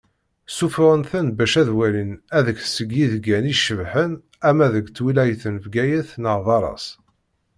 Ssufuɣen-ten bac ad d-walin adeg seg yidgan i icebḥen ama deg twilayt n Bgayet neɣ berra-s.